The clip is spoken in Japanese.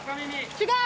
違う！